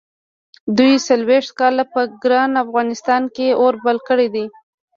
دوی څلوېښت کاله په ګران افغانستان کې اور بل کړی دی.